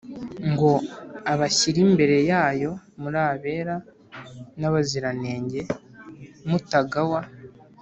ngo abashyire imbere yayo muri abera n’abaziranenge mutagawa